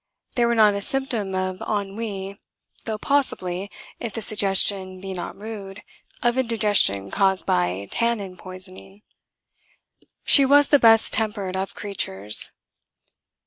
They were not a symptom of ennui (though possibly if the suggestion be not rude of indigestion caused by tannin poisoning). She was the best tempered of creatures.